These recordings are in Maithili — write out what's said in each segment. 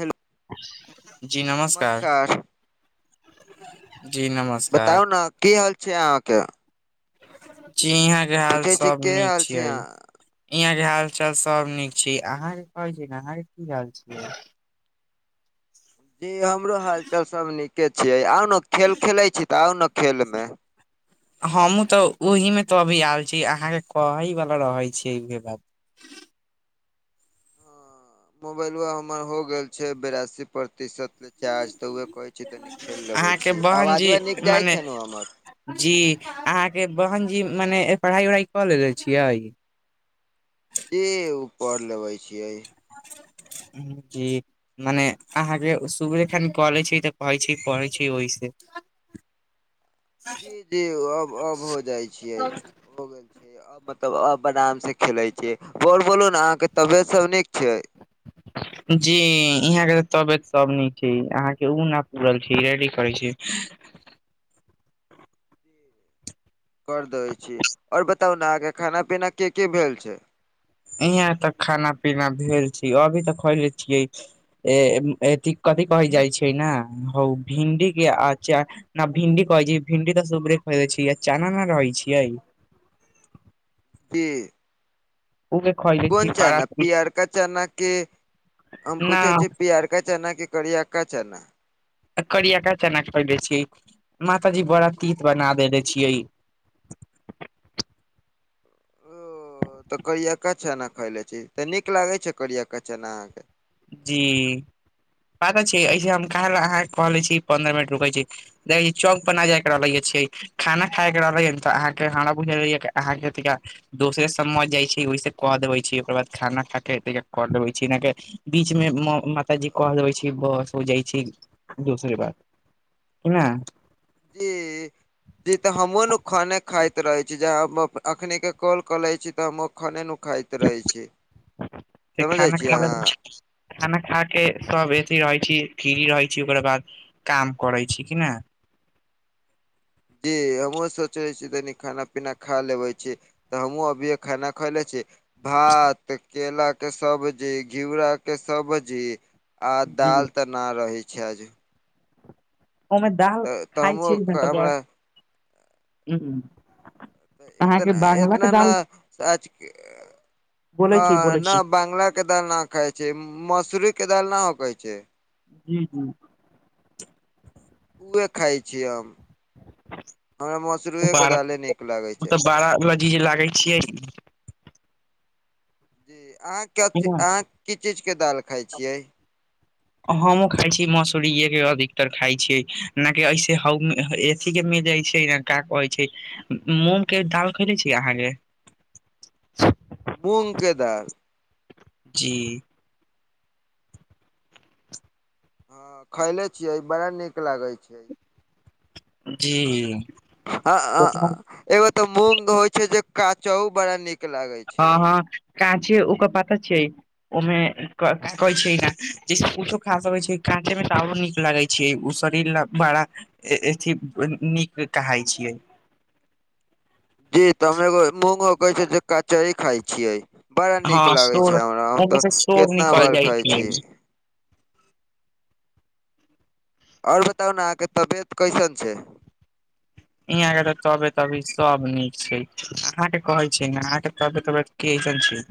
हेलो जी नमस्कार--जी नमस् बताउ ने की हाल छै अहाँके? जी यहाँके हाल पूछै छी सभ के निक हाल छै छियै। अहाँ यहाँ के हाल चाल सभ निक छै, अहाँ के कहै छी ने अहाँ के की हाल छै? जी हमरो हालचाल सभ नीके छियै, आउ ने खेल खेलै छी त आउ ने खेल मे हमहुँ त ओहि में त अभी आयल छी अहाँके कहै वला रहै छी इहे बात। मोबाइलो हमर हो गेल छै बेरासी प्रतिशत चार्ज त उहे कहै छी तनी खेल लेबै अहाँके छी, बहन जी आवाज उवाज निक जाइ मने छै ने हमर? जी अहाँके बहन जी, मने पढ़ाई उढ़ाई क लेलेे छियै? जी ओ पढ़ लेबै छियै। जी। माने अहांके सुबह खन क लै छी त कहै छी करै छी ओहिसे [inaudible] [unintelligible] मतलब अब आराम से खेलै छी, और बोलू ने अहाँ के तबियत सभ निक छै? [unintelligible] जी यहाँ के तबियत सभ निक छै अहाँके ओ ना पूरल छै रेडी करै छी। कर देबै छी, और बताउ ने अहाँके खाना पीना की की भेल छै? इहाँ त खाना पीना भेल छै, अभी त खैले छियै ए अथि कथि कहै जाइ छै ने, ओ भिन्डी के आचा न भिंडी कहै छै भिन्डी त सुबहे खेने छिए, चना नै रहै छै। कि? [unintelligible] कोन चना पियरका चना कि हम न पूछे छी पियरका चना कि करियका चना? करियका चना के बनाबै छियै, माता जी बड़ा तीत बना देने छियै। ओ त करियका चनाा खायले छी त नीक लागो छै करियका चना अहाँके जी बात छै ऐसे हम काल अहाँके कहलै छी पन्द्रह मिनट रुकै छी। देख चौक पर न जाय रहलग छै [unintelligible] खाना खाय के रहलै ह त अहाँके हमरा बुझ रहैये जे अहांके का दोसरे समझ जाइ छै ओहिसे क देबे छै ओकर बाद खाना खा के क देबे छी अहांके बीच मे मातााजी कह देबै छै बस हो जाइ छै दोसरे बात क नहि [unintelligible] ली। जी ते हमहुं न खाने खाइत रहै छी, अखनी के कॉल करै छी ते हम खाने नु खाइत त रहै छै से समझै खाना छी खाबै अहाँ खाना खा के सभ अथि रहै छी फ्री रहै छी ओकरा बाद काम करै छी कि ना? जी हमहु सोचने छी कनी खाना पीना खा लेबे छी। त हमहूँ अभिये खाना खैले छी। ् भात, केलाक के सब्जी घिउराके सब्जी आ जी दाल त ना रहै छै आज ओमे दाल तऽ तऽ खइ हमहुँ छियै ने त गै, हमरा उ तऽ एना इतना नेज बोलै हँ, छी बोलै छी नहि बंगला के दालि न खााय छै, मसूरी के दालि न होकै छै। हू, हू। उह खाइ छियै हम, हमरा मशरूमेके दालि नीक लागैत छै। बारा ल बीज लागै छियै। जी, अहाँ कथ ना, अहाँ की चीजके, दालि खाइ छियै? [unintelligible] हमँ खााय छी मसूरे के, अधिकतर खााय छी, न कि ऐसे एसी के मिल जाइ छै ने। क्या कहै छै, मूँग के दाल खैले छी अहाँके? मूगके दालि। जी! हँ, खैले छीयै बड़ा नीक लागे छै। जी! ह एगो ते मूंग होय छै जे, काचो बड़ा नीक लागे छै। हँ, हँ, काँचे ओकर पाता छै। ओमे कहे छै ने, जैसे किछो खा सकै छै, काँचे में त आरो नीक लागे छै। छीय, उ शरीर ल बड़ा अथ नीक कहे छियै। जी! तऽ हम एगो मूंगो कहै छ जे, कचह खाय छियै। बड़ा हँ नीक लागै शोर छै हमरा, हम ओहिमे तऽ से शोर कितना निकल बार जाइ खाइ छी। छै और बताउ ने, अहाँके तबियत कैसन छै? यहाँ के त तबतबी सब नीक छै, अहा के कहे छै ने अहाँ के तबिय उबियत केसन छै?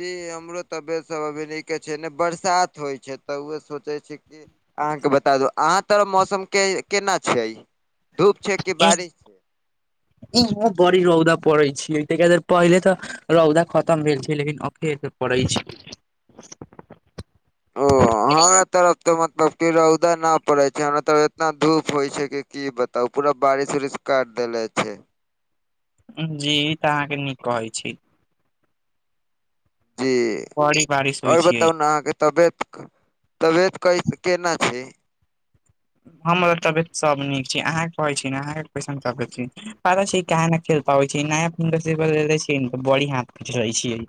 जी हमरो तबियत सब अभी के छै, ने बरसात होइ छै त उए सोचे छै कि अहाँके बता दू, अहाँ तर मौसम के केना छै? धूप छै। कि बारिश छै बड़ी रौदा पड़े छिय, तादर पहिले तऽ रौदा खतम भेल छै, लेकिन अखेल पड़ै छै। ओ हमरा तरफ तऽ मतलब क रौदा न पड़े छै, हमरा तरफ एतना धूप होइ छै कि, की बता तब पूरा बारिश -उरिश काट देले छै। जी ई तऽ अहाँके नीक कहै छी। जी! बड़ी बारिश होइ आओर छियै बताउ ने, अहाँके तबियत तबियत क केना छै? हमर मत तबियत सब नीक छी, अहाँ के कहे छी ने, अहाँ के कैसा तबियत छै, पता छी क खेल [unintelligible] छै नया फ बड़ी हाथ प रहे छै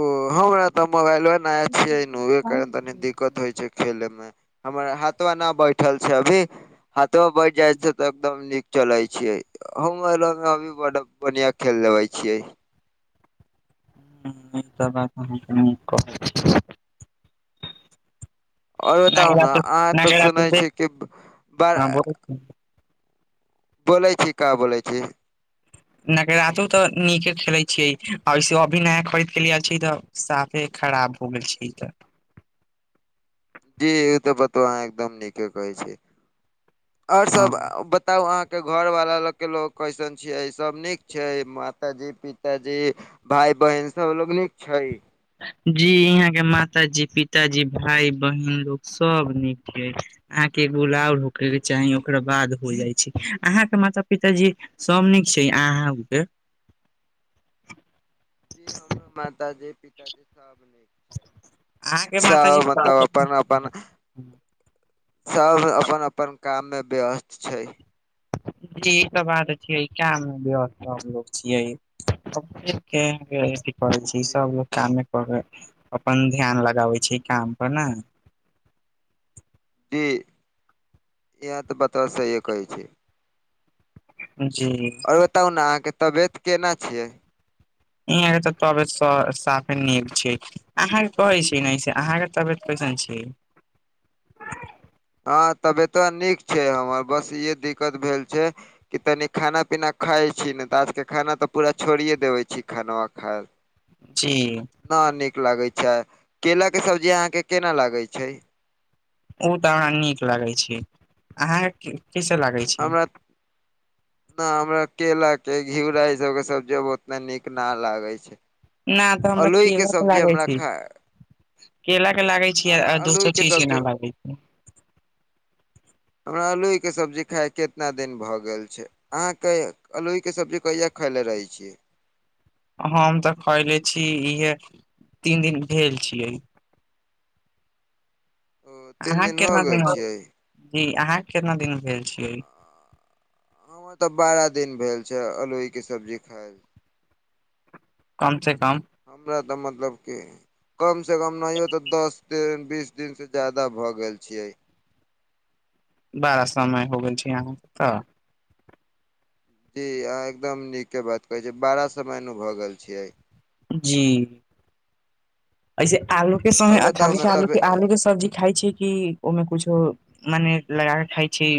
ओ हमरा ते मोबाइल नया छछै नू, ओकर तनी दिक्कत। होइ छै खेले मे, हमर हाथो नहि बैठल छै अभी। हथवा बैठि जाइ छै, तऽ एकदम नीक! चलै छियै, हम अभी बड बढ़िआँ खेल लबै छियै। ह त ब कह कह [unintelligible] आओर बताउ ने, अहाँ तऽ सुनै छी, कि बड़ हूँ, बोलै छी, का बोलै छी। नग रातो तऽ नीके खेलै छियै, आ वैस अभी नया खरीद के लिय छी तऽ साफे खराब हो गेल छै तऽ। जी ई तऽ बताउ अहा एकदम नीके कहै छी, आओर हँ सब बत तब अहाँके घर वाला ल के लोग कैसन छियै सब नीक छै माता जी पिताजी? भाय बहिन सबलोग नीक छै? जी इहाँ के माताजी, पिताजी, भाय, बहिन लोक सब नीक छै। अहाँके गुलाउ रुकयके चाही ओकरा बाद हो जाइ छै, अहाँके माता पिताजी सभ नीक छै अहाँके? जी हमरो माताजी पिताजी सब नीक अहाँके माताजी सभ मतलब अपन अपन सब अपन अपन काम मे व्यस्त छै। जी ई त बात छियै काम मे व्यस्त सब लोक छियै। [unintelligible] करै छै जी सभ लोग कामे कऽ के अपन ध्यान लगाबै छै काम पर ने जी इहाँ तऽ बतबा सहिए कहै छी। जी आओर बताउ ना अहाँके तबियत केना छै? इहाॅं के तऽ तबीयत स साफे नीक छै। अहाँके कहै छी नै से अहाँके तबियत कैसन छी? हँ तबियतबा नीक छै हमर बस इहे दिक्कत भेल छै कि तनी खाना पीना खाइ छी ने तऽ आजके खाना तऽ पूरा छोड़िये देबे छी खनवा खा जी ना नीक लागै छै केलाके सब्जी अहाँके केना लागै छै? ऊं त हमरा नीक लागे छै अहां के कैसे लागे? हमरा न हमरा केला के घिउरा ई सब के सब्जी अब ओतना नीक ना लागै छै। ना तऽ हमरा अलोई केला के सब्जी लागै हमरा छै। खा केला के लागे छीयै हमरा आ अलोई दोसर चीज के ना सब्जी लागै छै हमरा आल्लूहिके सब्जी खाइ केतना दिन भऽ गेल छै। अहाँके अलुइके सब्जी कहिया खयले रहै छियै? हम तऽ खैले छी इहे तीन दिन भेल छियै। ओ तीन अहाँके हो केतना दिन गेल छियै जी अहाँके केतना दिन भेल छियै? हमरा तऽ बारह दिन भेल छै अलोइके सब्जी खाय कम से कम हमरा तऽ मतलब के कम से कम नहियो तऽ दस दिन बीस दिन से ज्यादा भऽ गेल छियै। बारा समय हो गेल छै अहाँके तऽ जी अहाॅं एकदम नीके बात कहे छीयै बारा समय नु भए गेल छियै। जी ऐसे आलू के समय आओर बताउ अथाली ने के आलू तब के आलू के सब्जी खाइ छीयै कि ओमे कुछो मने लगा के खाय छै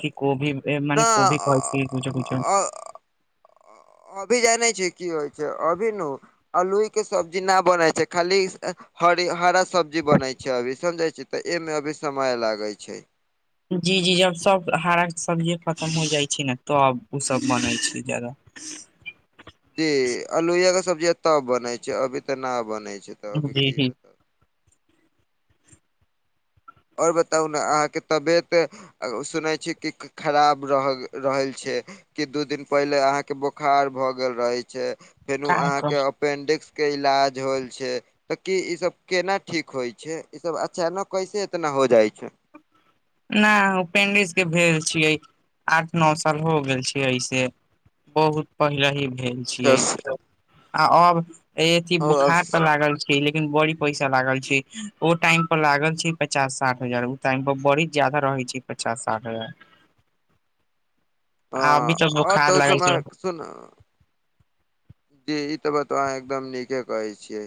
की कोबी मने न कोबी कहेसे कुछों कुछो अभी जानै छै की होइ छै अभी नु आलूइ के सब्जी ना बनै छै खाली हरी हरा स सब्जी बनय छै अभी समझे छी तऽ ए में अभी समय लागै छै। जी जी जब सब हरा सब्जी खतम हो जाइ छै ना तब ऊ सब बनै छै जादा [inaudible] जी अलोहिया के सब्जीया तब बनै छै अभी तऽ ना बनै छै तऽ अभी जी की जी बताउ आओर बताउ न, अहाँके तबियत। आ ओ सुनै छी कि, खराब रहल रहैल छै। कि दू दिन पहिले अहाँके बोखार भऽ गेल रहे छै, फेनु का कहु अहाँके। पेंडिक्स के इलाज होल छै। तऽ की ई सब केना ठीक होइ छै, इसभ अचानक कैसे इतना हो जाइ छै। ना ओ पेंडिक्स के भेल छियै, आठ-नओ साल हो गेल छैै, एहि से। बहुत पहिलही भेल छीयै, अच्छा से- आ अब ए अथी ओ बुखार तऽ अस- लागल छै। लेकिन बड़ी पैसा लागल छै, ओ टाइम पर लागल छै पचास-साठ हजार, उ टाइम पर बड़ी। ज्यादा रहै छै पचास-साठ हजार। अ आ अभी तक अ, तऽ बोखार ओ लागल समय छै। सुन ई तऽ बताउ अहाँ एकदम नीके कहै छियै।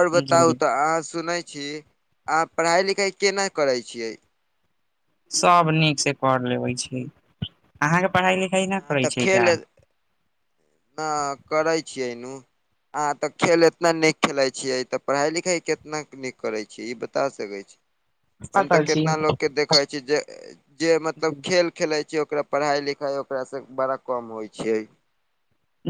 आओर बताउ जी तऽ अहाँ सुनै छी, अहाँ पढ़ाई-लिखाई केना करै छियै। सब नीकसँ कर लेबै छी, अहाँके पढ़ाई-लिखाई ना अहाँ करै छियै का। हँ, करै छियै नू। अहाँ तऽ खेल एतना नीक खेलाइ छियै तऽ पढ़ाई- लिखाइ केतना नीक करै छी, ई बता सकै छी। हम तऽ पता छी। केतना लोकके देखै छी जे। जे मतलब खेल खेलै छियै ओकरा पढ़ाई-लिखाई ओकरासँ बड़ा कम होइ छै।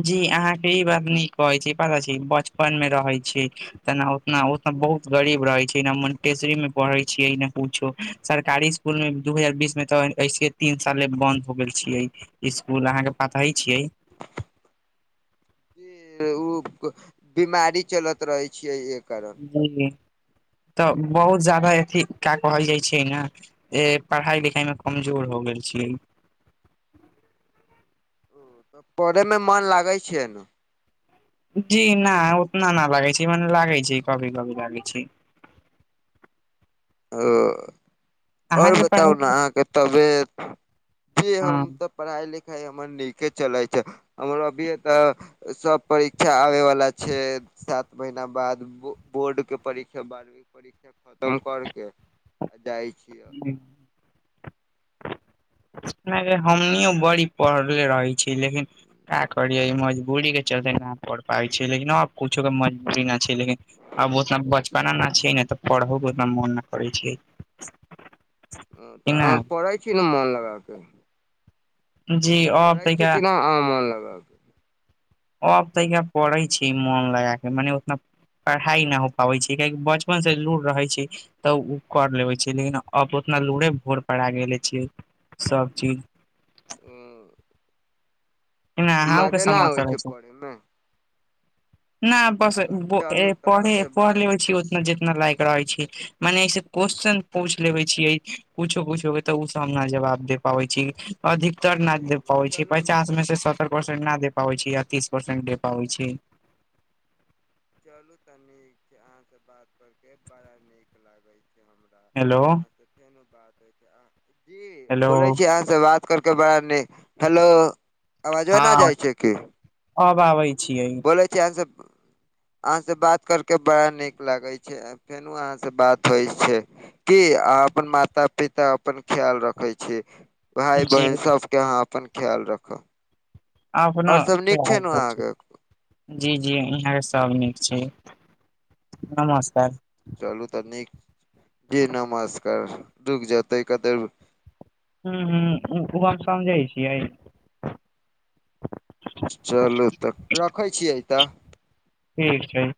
जी अहाँ के ई बात नीक कहै छियै पता छी, बचपन में रहै छी तना। न ओ सब बहुत गरीब रहे छै, मनटेसरी में पढ़े छियै न कुछो, सरकारी। इसकुल मेऊ दू हजार बीस मे तऽ ऐसे तीन साले बन्द हो गेल छियै। इसकूल अहाँ के पता ही छियै। उ बीमारी चलत रहे छियै एकर। जी तऽ बहुत जादा अथी कए कहल जाइ छै ने। ए पढ़ाई-लिखाई में कमजोर हो गेल छीयै। पढ़े में मन लागै छै नू। जी ना उतना ना लागे छै, मने लागे छै कभी-कभी लागे छै। ओ आओर अहाँके बताउ न पढ़ाई अहाँके तबियत कि हँ हम तब। पढ़ाई-लिखाई हमर नीके चलै छै, हमर अभीए तऽ सब। परीक्षा आबै वला छै, सात। महिना बाद, बोर्ड के परीक्षा बारहवीं के परीक्षा खतम कर। के जाइ छियै। नइ गै, हमनियो बड़ी पढ़ले रहै छीयै लेकिन का करियै ई मजबूरी के। चलते नहि पढ़ पाबै छियै, लेकिन न कुछो के मजबुरी न छै, लेकिन। आब उतना बचपना ना छियै न तऽ पढ़ो के उतना मोन न करै छियै। कि तऽ अहाँ न पढ़ै छी न मोन लगा कऽ। जी। अब पढ़ै छी तैका कि ना अहाँ मोन लगा कऽ। हम तनिका पढ़ै छी, मोन लगा क मने उतना। पढ़ाई ना हो पाबै छै, कियाकि बचपन से लूर रहै छै। तऽ उ कर लेबै छै, लेकिन आब ओतना लूरे भोरपरा गेले छियै सब चीज। हूं। एना अहूँ के मजे ना आबै समाचार छै पढ़ें में। ना बस चलू तऽ पढ़े अहाँसँ बात पढ़लेबे छियै। जितना लायक रहै छै, मने ऐसे क्वेश्चन पूछ लेबै छीयै कुछो-कुछो। तऽ ओ सब हम न जवाब दे पाबै छी, अधिकतर न ठीक दे बा पाबै छि चलू नीक पचास में से। सत्तर परसेट ना दे पाबै छैया, तीस परसेट दे पाबै छै। चलू तऽ नीक छै, अहा से बात कर के बड़ा नीक लागे छै हमरा। हेलो। अहाँसँ जी, हेलो बोलै छी अहाँ से बात करके बड़ा नि हेलो आवाजवा ना हँ जाइ छै की, अब आबै छियै बोलै छी आहा सब अहाँ से बात करके बड़ा नीक लागै छै, फेरो अहाँ से बात होइ छै। की अ अपन माता पिता अपन ख्याल रखे छी। भाय जी बहिन सबके अहाँ अपन ख्याल राखब। अपना आओर सभ नीक खाल ने प छै। अहाँके जी, जी इहाँके सब नीक छै, नमस्कार। चलू तऽ नीक, जी नमस्कार, रुक जेतै कतई हु, हु, हु, ओ हम समझै छियै। चलू तऽ, रखै छियै तऽ। ठीक छैी।